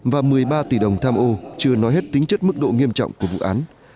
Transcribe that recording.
và một mươi ba tỷ đồng tham ô chưa nói hết tính chất mức độ nghiêm trọng của vụ án